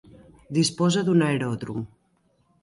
Disposa d'un aeròdrom.